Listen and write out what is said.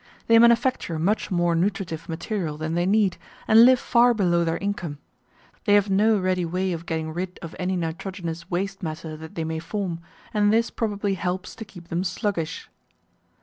They manufacture much more nutritive material than they need, and live far below their income. They have no ready way of getting rid of any nitrogenous waste matter that they may form, and this probably helps to keep them sluggish.